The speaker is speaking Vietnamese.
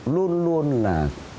luôn luôn là